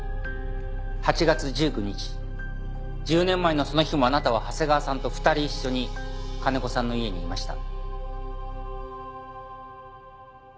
８月１９日１０年前のその日もあなたは長谷川さんと２人一緒に金子さんの家にいました。